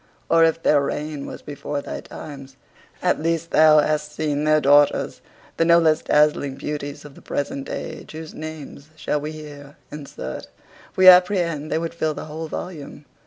Or, if their reign was before thy times, at least thou hast seen their daughters, the no less dazzling beauties of the present age; whose names, should we here insert, we apprehend they would fill the whole volume.